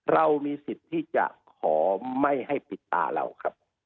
เรามีสิทธิ์ที่จะขอไม่ให้ปิดตาเราครับ